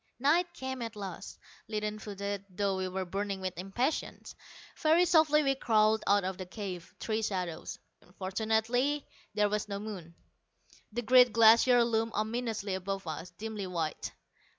Night came at last, leaden footed, though we were burning with impatience. Very softly we crawled out of the cave, three shadows. Fortunately there was no moon. The great Glacier loomed ominously above us, dimly white.